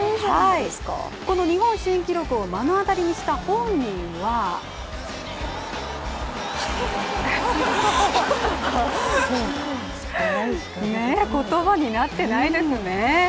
この日本新記録を目の当たりにした本人は言葉になってないですね。